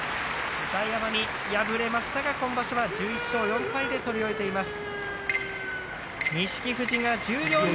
大奄美、敗れましたが今場所は１１勝４敗で取り終えています。